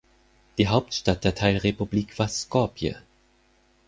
Die Hauptstadt der Teilrepublik war Skopje.